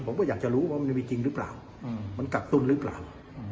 ผมก็อยากจะรู้ว่ามันจะมีจริงหรือเปล่ามันกักตุ้นหรือเปล่า